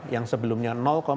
yang sebelumnya sembilan puluh lima